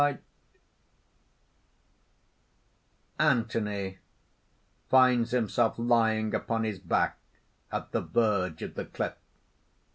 VII ANTHONY (_finds himself lying upon his back, at the verge of the cliff.